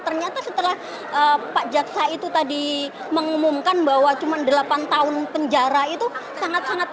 ternyata setelah pak jaksa itu tadi mengumumkan bahwa cuma delapan tahun penjara itu sangat sangat